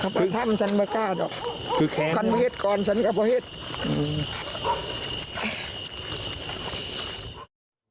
ครับถ้าป้าทำฉันไม่กล้าหรอกคือแค้นก่อนฉันก็พอเห็น